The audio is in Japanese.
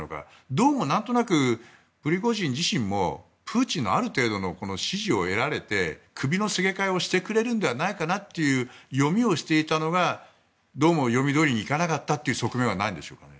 どうも、何となくプリゴジン自身もプーチンの、ある程度の支持を得られて首のすげ替えをしてくれるのではないかという読みをしていたのがどうも読みどおりにいかなかった側面はないんでしょうかね。